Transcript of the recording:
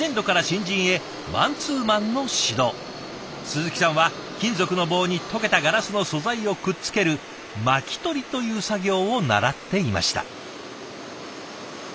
鈴木さんは金属の棒に溶けたガラスの素材をくっつける巻き取りという作業を習っていました。